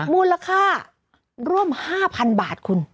มูลค่าร่วม๕๐๐๐บาทคุณ